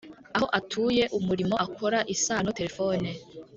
aho atuye, umurimo akora, isano, telephone